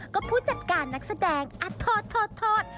ก็ผู้จัดการนักแสดงอัดโทษ